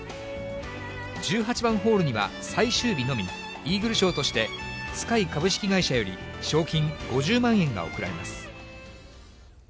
１８番ホールには最終日のみ、イーグル賞として、Ｓｋｙ株式会社より、賞金５０万円が贈られます。